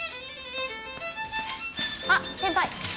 あっ先輩！